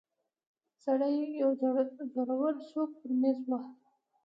سړي يو زورور سوک پر ميز وواهه.